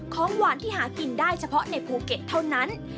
ของหวานที่หากินได้เฉพาะในภูเก็ตเท่านั้น